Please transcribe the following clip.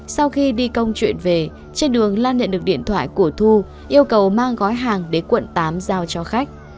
sau khi đi công chuyện về trên đường lan nhận được điện thoại của thu yêu cầu mang gói hàng đến quận tám giao cho khách